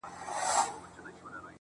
جلوه مخي په گودر دي اموخته کړم.